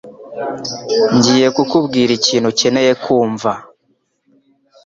Ngiye kukubwira ikintu ukeneye kumva.